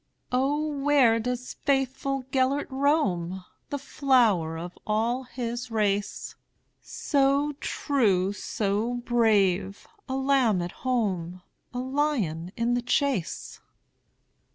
"O, where doth faithful Gêlert roam, The flower of all his race, So true, so brave,—a lamb at home,A lion in the chase?"